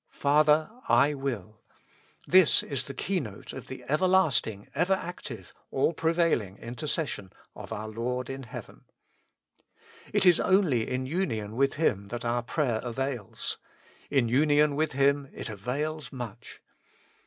"Father ! I will :" this is the keynote of the everlasting, ever active, all pre vailing intercession of our Lord in heaven. It is only in union with Him that our prayer avails ; in union with Him it avails much.